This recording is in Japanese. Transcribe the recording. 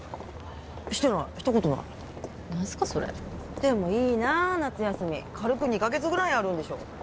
してないしたことない何すかそれでもいいなあ夏休み軽く２カ月ぐらいあるんでしょ